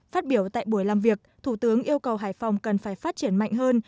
phát biểu tại buổi làm việc thủ tướng yêu cầu hải phòng cần phải phát triển mạnh hơn